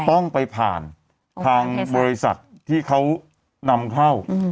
ต้องไปผ่านทางบริษัทที่เขานำเข้า